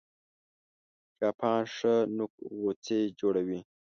چاپان ښه نوک غوڅي جوړوي